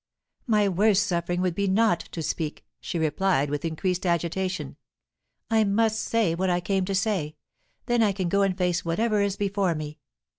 "My worst suffering would be not to speak," she replied, with increased agitation. "I must say what I came to say; then I can go and face whatever is before me.